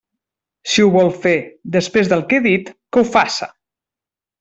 Si ho vol fer, després del que he dit, que ho faça!